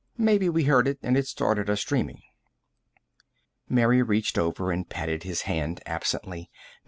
Maybe we heard it and it started us dreaming." Mary reached over and patted his hand absently.